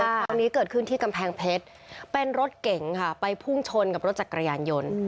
คราวนี้เกิดขึ้นที่กำแพงเพชรเป็นรถเก๋งค่ะไปพุ่งชนกับรถจักรยานยนต์